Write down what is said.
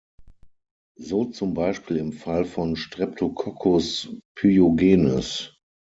So zum Beispiel im Fall von "Streptococcus pyogenes".